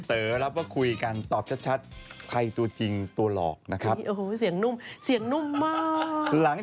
เดี๋ยวล้างฝั่งโชว์งานล้างฝั่งโอเค